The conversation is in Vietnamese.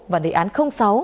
và đề án sáu